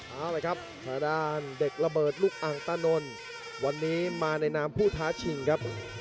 เอาละครับทางด้านเด็กระเบิดลูกอังตานนวันนี้มาในนามผู้ท้าชิงครับ